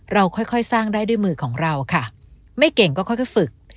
เราค่อยสร้างได้ด้วยมือของเราค่ะไม่เก่งก็ค่อยฝึก